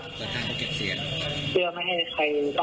เพื่อไม่ให้ใครต้องการเข้ามาใกล้เราครับ